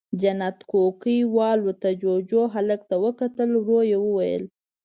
جنت کوکۍ والوته، جُوجُو، هلک ته وکتل، ورو يې وويل: